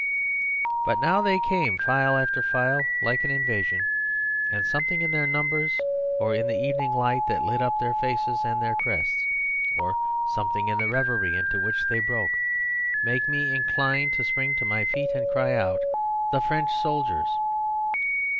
But now they came file after file, like an invasion, and something in their numbers, or in the evening light that lit up their faces and their crests, or something in the reverie into which they broke, made me inclined to spring to my feet and cry out, "The French soldiers!"